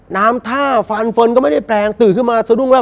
น้ำท่าฟันเฟิร์นก็ไม่ได้แปลงตื่นขึ้นมาสะดุ้งแล้ว